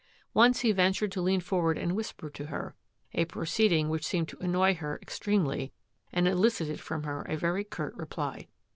Once he ventured to lean for ward and whisper to her — a proceeding which seemed to annoy her extremely and elicited from her a very curt reply.